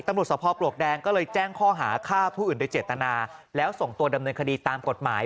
ตำรวจสภพปลวกแดงก็เลยแจ้งข้อหาฆ่าผู้อื่นโดยเจตนาแล้วส่งตัวดำเนินคดีตามกฎหมาย